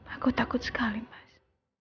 aku takut sekali mas